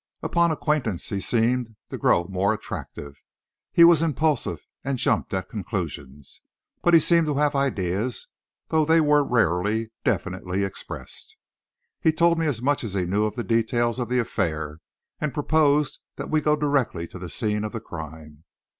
Upon acquaintance he seemed to grow more attractive. He was impulsive and jumped at conclusions, but he seemed to have ideas, though they were rarely definitely expressed. He told me as much as he knew of the details of the affair and proposed that we go directly to the scene of the crime.